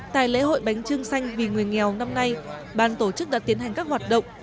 tại lễ hội bánh trưng xanh vì người nghèo năm nay ban tổ chức đã tiến hành các hoạt động